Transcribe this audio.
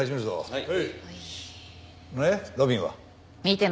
はい。